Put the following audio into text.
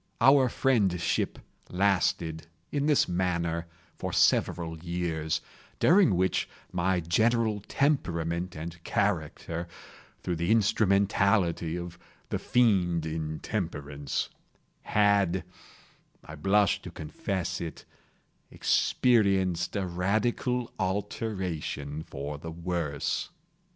Our friendship lasted, in this manner, for several years, during which my general temperament and character—through the instrumentality of the Fiend Intemperance—had (I blush to confess it) experienced a radical alteration for the worse.